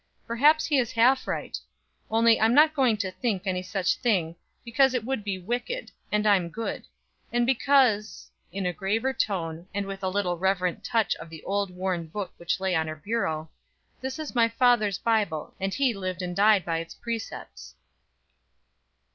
Perhaps he is half right; only I'm not going to think any such thing, because it would be wicked, and I'm good. And because" in a graver tone, and with a little reverent touch of an old worn book which lay on her bureau "this is my father's Bible, and he lived and died by its precepts."